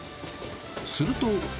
すると。